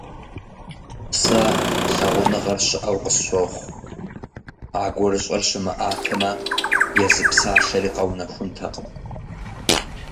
Сэ лъагъуныгъэр щыӀэу къысщохъу, а гурыщӀэр щымыӀатэмэ, езы псалъэри къэунэхунтэкъым.